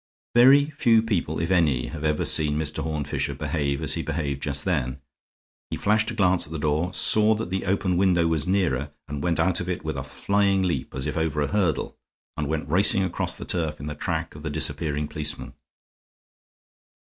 Very few people, if any, had ever seen Mr. Horne Fisher behave as he behaved just then. He flashed a glance at the door, saw that the open window was nearer, went out of it with a flying leap, as if over a hurdle, and went racing across the turf, in the track of the disappearing policeman.